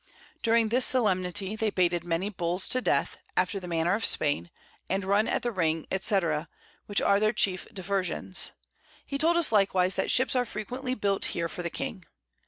During this Solemnity, they baited many Bulls to Death, after the manner of Spain, and run at the Ring, &c. which are their chief Diversions: He told us likewise that Ships are frequently built here for the King.